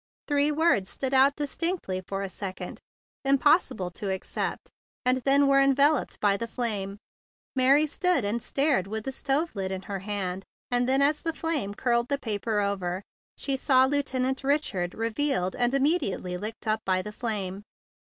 Three words stood out distinctly for a second, "Impos¬ sible to accept," and then were enveloped by the flame. Mary stood and stared with the stove lid in her hand, and then, as the flame curled the paper 54 THE BIG BLUE SOLDIER over, she saw "Lieutenant Richard—" revealed and immediately licked up by the flame.